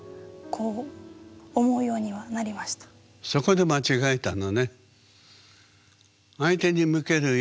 そこで間違えたのね。